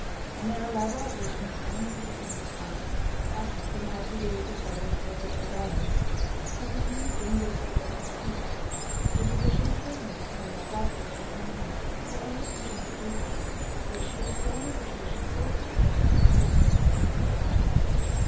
On their arrival at Woodfield, Emmeline had the pain of hearing that Mrs. Stafford, who had two days before been delivered of a daughter, had continued dangerously ill ever since. The physicians who attended her had that day given them hopes that her illness might end favourably; but she was still in a situation so precarious that her attendants were in great alarm.